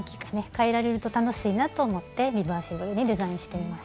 変えられると楽しいなと思ってリバーシブルにデザインしてみました。